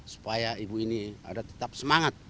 supaya ibu ini ada tetap semangat